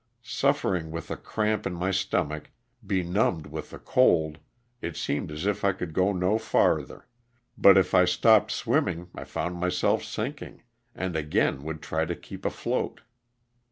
Suffering with a cramp in my stomach, benumbed with the cold, it seemed as if I could go no farther, but if I stopped swimming I found myself sinking, and again would try to keep afloat.